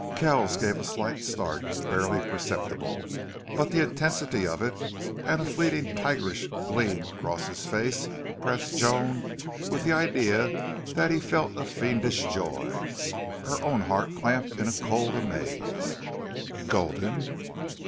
Kells gave a slight start, barely perceptible, but the intensity of it, and a fleeting tigerish gleam across his face, impressed Joan with the idea that he felt a fiendish joy. Her own heart clamped in a cold amaze. "Gulden!"